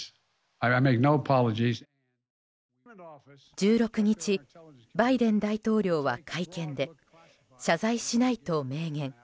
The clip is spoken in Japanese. １６日、バイデン大統領は会見で、謝罪しないと明言。